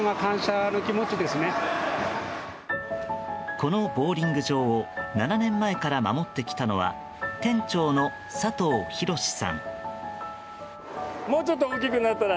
このボウリング場を７年前から守ってきたのは店長の佐藤博さん。